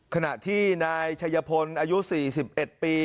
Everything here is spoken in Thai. ขณะที่นายชัยพลอายุ๔๑ปี